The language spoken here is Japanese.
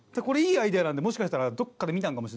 これいいアイデアなんでもしかしたら。